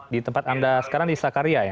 di tempat anda sekarang di sakaria ya